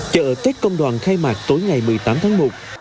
chợ tết công đoàn khai mạc tối ngày một mươi tám tháng một